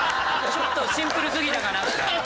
ちょっとシンプルすぎたかなって。